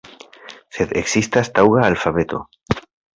Sed ekzistas taŭga alfabeto.